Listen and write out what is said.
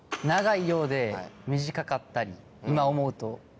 長いようで短かったり今思うと。